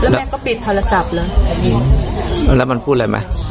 แม่ก็ปิดโทรศัพท์เลยแล้วมันพูดอะไรไหม